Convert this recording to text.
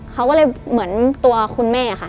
เขาก็เลยเหมือนตัวคุณแม่ค่ะ